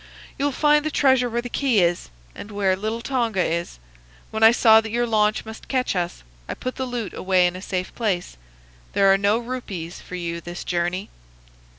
You'll find the treasure where the key is, and where little Tonga is. When I saw that your launch must catch us, I put the loot away in a safe place. There are no rupees for you this journey."